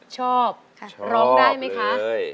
ชอบร้องได้ไหมคะ